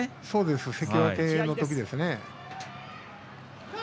そうです。